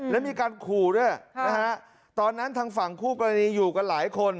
และมีการขู่ด้วยนะฮะตอนนั้นทางฝั่งคู่กรณีอยู่กันหลายคน